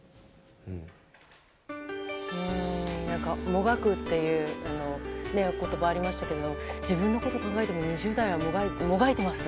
もがくっていう言葉がありましたけど自分のことを考えても２０代はもがいてます？